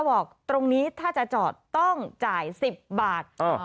บอกตรงนี้ถ้าจะจอดต้องจ่าย๑๐บาท